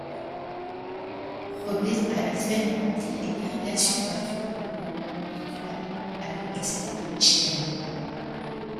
Robey a expérimenté l'irrigation par tuyau poreux de toile à l'université du Michigan.